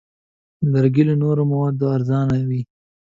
لرګی له نورو موادو ارزانه وي.